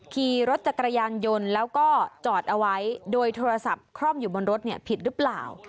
ขี่รถจักรยานยนต์แล้วก็จอดเอาไว้โดยโทรศัพท์คล่อมอยู่บนรถเนี่ยผิดหรือเปล่า